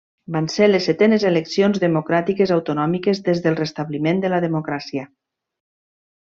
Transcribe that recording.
Van ser les setenes eleccions democràtiques autonòmiques des del restabliment de la democràcia.